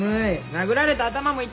殴られた頭も痛い！